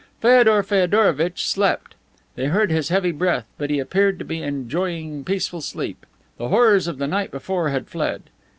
Feodor Feodorovitch slept. They heard his heavy breath, but he appeared to be enjoying peaceful sleep. The horrors of the night before had fled.